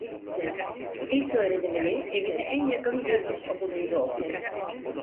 İlköğrenimini evine en yakın bir Rus okulunda okudu.